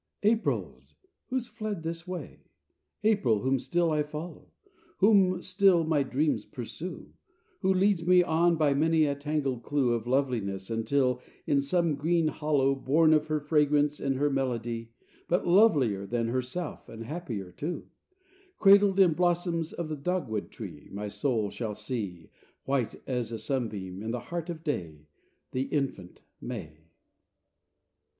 April's, who fled this way? April, whom still I follow, Whom still my dreams pursue; Who leads me on by many a tangled clue Of loveliness, until in some green hollow, Born of her fragrance and her melody, But lovelier than herself and happier, too, Cradled in blossoms of the dogwood tree, My soul shall see, White as a sunbeam in the heart of day, The infant, May.